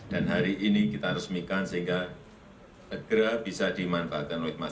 dan hari ini kita resmikan sehingga negara bisa dimanfaatkan oleh masyarakat